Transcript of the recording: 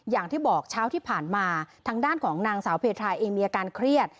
อย่างที่บอกเช้าที่ผ่านมาทางด้านของนางสาวเพทาเองมีอาการเครียด